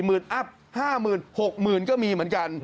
๔หมื่นอัพ๕หมื่น๖หมื่นก็มีเหมือนกัน